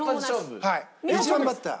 １番バッター。